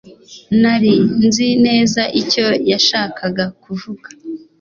nari nzi neza icyo yashakaga kuvuga